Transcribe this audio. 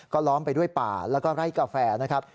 ก็ล้อมไปด้วยป่าแล้วก็ไร่กาแฟนะครับ